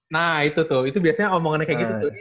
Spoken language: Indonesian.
nah itu tuh itu biasanya omongannya kayak gitu tuh